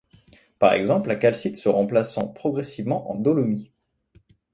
Par exemple la calcite se remplaçant progressivement en dolomie.